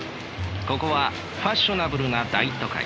ここはファッショナブルな大都会。